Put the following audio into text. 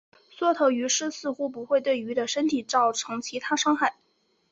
缩头鱼虱似乎不会对鱼的身体造成其他伤害。